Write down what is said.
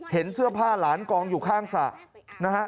เห็นเสื้อผ้าหลานกองอยู่ข้างสระนะฮะ